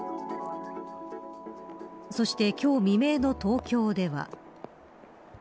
そして、今日未明の東京では。